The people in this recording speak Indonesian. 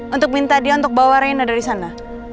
untuk minta dia untuk bawa rena dari sana